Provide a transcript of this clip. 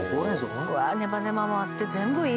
うわあネバネバもあって全部いいね。